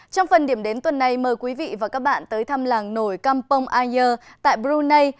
trong phần điểm đến tuần này mời quý vị và các bạn tới thăm làng nổi campong air tại brunei